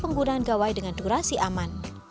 penggunaan gawai dengan durasi aman